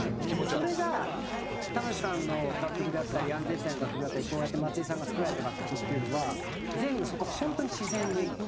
それが玉置さんの楽曲であったり安全地帯の楽曲であったりこうやって松井さんが作られた楽曲っていうのは全部そこ本当に自然に。